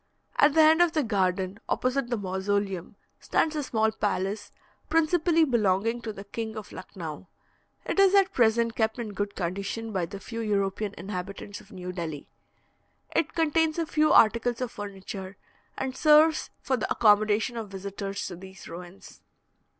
At the end of the garden, opposite the mausoleum, stands a small palace, principally belonging to the King of Lucknau. It is at present kept in good condition by the few European inhabitants of New Delhi. It contains a few articles of furniture, and serves for the accommodation of visitors to these ruins.